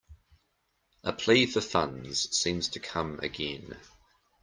A plea for funds seems to come again.